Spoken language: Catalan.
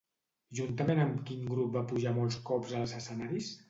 Juntament amb quin grup va pujar molts cops als escenaris?